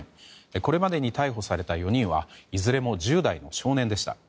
これまでに逮捕された４人はいずれも１０代の少年でした。